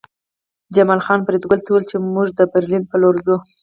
جمال خان فریدګل ته وویل چې موږ د برلین په لور ځو